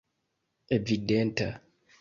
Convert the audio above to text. evidenta